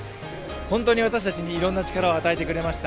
本当に私たちにいろんな力を与えてくれました